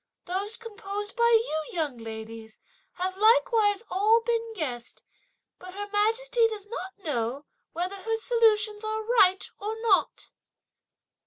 Those composed by you, young ladies, have likewise all been guessed; but Her Majesty does not know whether her solutions are right or not."